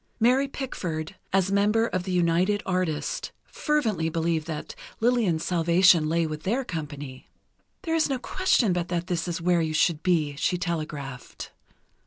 Mary Pickford, as member of the United Artists, fervently believed that Lillian's salvation lay with their company. "There is no question but this is where you should be," she telegraphed.